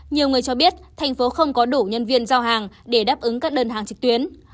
nhiều người cho biết thành phố không có đủ nhân viên giao hàng để đáp ứng các đơn hàng trực tuyến